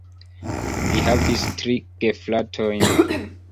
Li havis tri gefratojn.